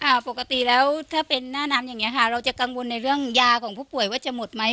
ปกติแล้วถ้าเป็นหน้าน้ำอย่างนี้ค่ะเราจะกังวลในเรื่องยาของผู้ป่วยว่าจะหมดไหม